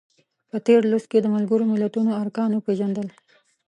په تېر لوست کې د ملګرو ملتونو ارکان وپیژندل.